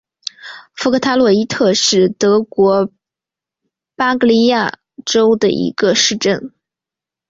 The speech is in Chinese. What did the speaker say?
福格塔罗伊特是德国巴伐利亚州的一个市镇。